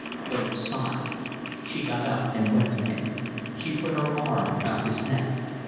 Philip sighed. She got up and went to him. She put her arm round his neck.